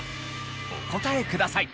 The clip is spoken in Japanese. お答えください。